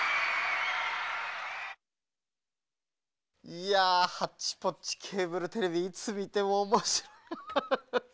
いやハッチポッチケーブルテレビいつみてもおもしろいフフフ。